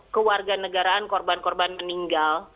kewarganegaraan korban korban meninggal